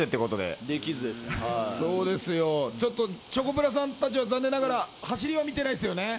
チョコプラさんたちは残念ながら走りは見てないですよね。